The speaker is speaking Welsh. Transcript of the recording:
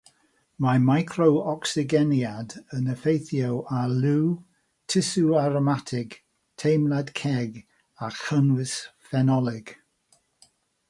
Mae micro-ocsigeniad yn effeithio ar liw, tusw aromatig, teimlad ceg a chynnwys ffenolig.